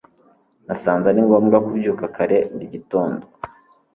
nasanze ari ngombwa kubyuka kare buri gitondo